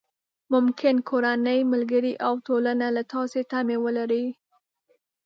ممکن کورنۍ، ملګري او ټولنه له تاسې تمې ولري.